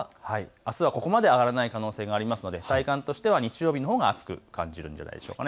あすはここまで上がらない可能性もありますので体感としては日曜日のほうが暑く感じるのではないでしょうか。